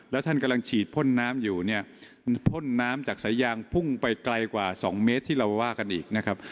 แล้วท่านกำลังฉีดพ่นน้ำอยู่เนี่ยพ่นน้ำจากสายยางพุ่งไปไกลกว่า๒เมตรที่เราว่ากันอีกนะครับ